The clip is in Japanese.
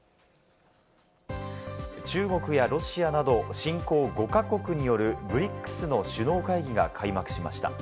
中国やロシアなど新興５か国によるＢＲＩＣＳの首脳会議が開幕しました。